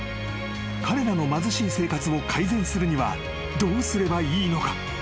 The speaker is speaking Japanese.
［彼らの貧しい生活を改善するにはどうすればいいのか？］